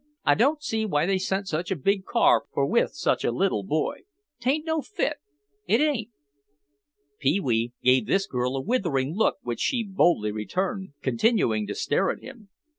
I don't see what they sent such a big car for with such a little boy. 'Taint no fit, it ain't." Pee wee gave this girl a withering look which she boldly returned, continuing to stare at him.